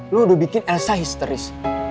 lo udah bikin elsa histeris